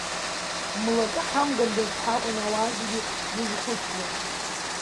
Млакы ҳамгандаз ҳәа акәын, ауаа зегьы зызхәыцуаз.